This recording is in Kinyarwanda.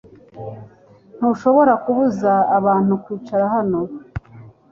Ntushobora kubuza, abantu kwicara hano